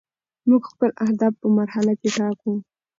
موږ خپل اهداف په مرحله کې ټاکو.